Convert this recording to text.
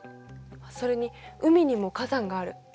それに海にも火山がある。